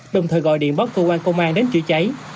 đồng thời gọi điện báo cơ quan công an đến chữa cháy